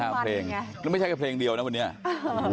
ตามเป็นหน่อยจากแม่ก็พึ่งเสียเคยเจอ